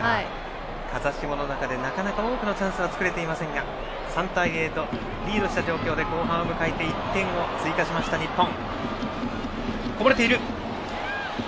風下の中でなかなか多くのチャンスは作れていませんが３対０とリードした状況で後半を迎えて１点を追加しました日本。